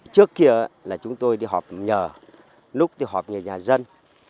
trước kia là chúng tôi đi họp nhờ lúc đi họp nhà dân